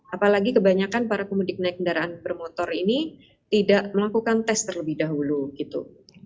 apalagi kebanyakan para pemudik naik kendaraan bermotor ini tidak melakukan tes terlebih dahulu gitu